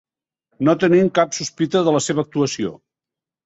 No tenim cap sospita de la seva actuació.